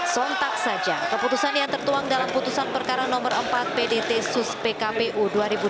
sontak saja keputusan yang tertuang dalam putusan perkara nomor empat pdt sus pkpu dua ribu dua puluh